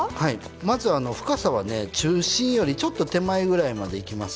まず深さは中心よりちょっと手前ぐらいまでいきます。